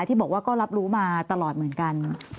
ที่บอกว่าก็รับรู้มาตลอดเหมือนกัน